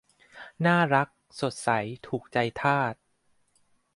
น่ารัก สดใส ถูกใจทาส